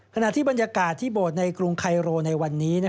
ขณะที่บรรยากาศที่โบสถ์ในกรุงไคโรในวันนี้